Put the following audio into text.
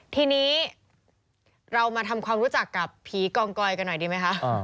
ทีนี้เรามาทำความรู้จักกับผีกองกอยกันหน่อยดีไหมคะ